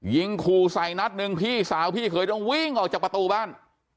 ยิงขู่ใส่นัดหนึ่งพี่สาวพี่เขยต้องวิ่งออกจากประตูบ้าน